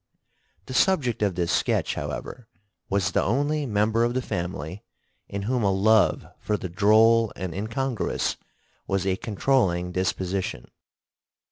The subject of this sketch, however, was the only member of the family in whom a love for the droll and incongruous was a controlling disposition.